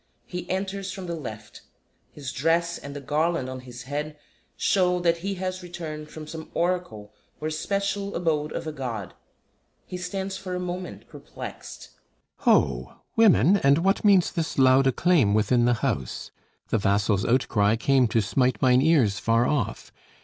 _He enters from the left; his dress and the garland on his head show that he has returned from some oracle or special abode of a God. He stands for a moment perplexed_.] THESEUS Ho, Women, and what means this loud acclaim Within the house? The vassals' outcry came To smite mine ears far off.